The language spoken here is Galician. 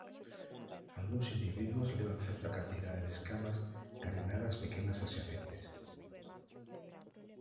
Algúns individuos levan certa cantidade de escamas carenadas pequenas adxacentes.